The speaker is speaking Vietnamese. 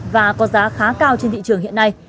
và có giá khá cao trên thị trường hiện nay